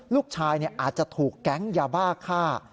ลูกชายอาจจะถูกแก๊งยาบ้าฆ่า